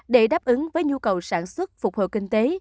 để đáp ứng với nhu cầu sản xuất phục hồi kinh tế